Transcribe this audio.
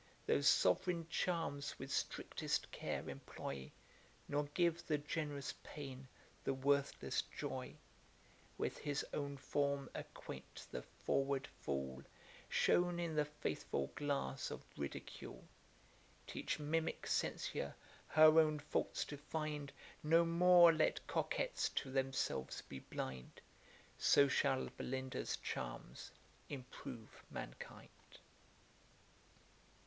Those sovereign charms with strictest care employ; Nor give the generous pain, the worthless joy: With his own form acquaint the forward fool, Shewn in the faithful glass of ridicule; Teach mimick censure her own faults to find, ) No more let coquettes to themselves be blind, ) So shall Belinda's charms improve mankind.